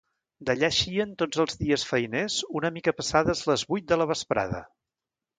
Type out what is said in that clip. D'allà eixien tots els dies feiners una mica passades les vuit de la vesprada.